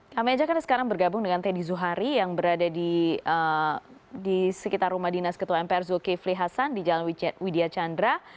kami ajak anda sekarang bergabung dengan teddy zuhari yang berada di sekitar rumah dinas ketua mpr zulkifli hasan di jalan widya chandra